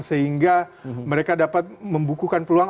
sehingga mereka dapat membukukan peluang